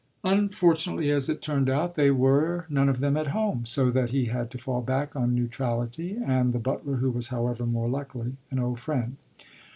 Unfortunately, as it turned out, they were none of them at home, so that he had to fall back on neutrality and the butler, who was, however, more luckily, an old friend.